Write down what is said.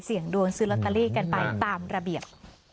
เสี่ยงดวงซื้อลอตเตอรี่กันไปตามระเบียบ